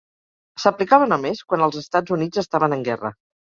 S'aplicava només quan els Estats Units estaven en guerra.